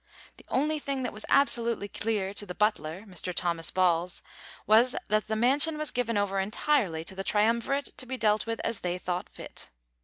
The only thing that was absolutely clear to the butler, Mr Thomas Balls, was, that the mansion was given over entirely to the triumvirate to be dealt with as they thought fit.